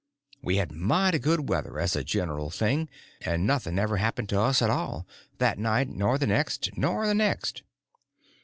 We had mighty good weather as a general thing, and nothing ever happened to us at all—that night, nor the next, nor the next.